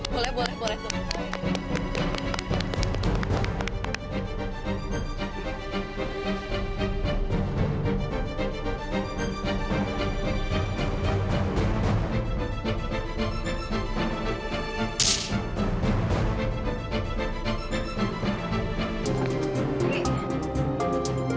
boleh boleh boleh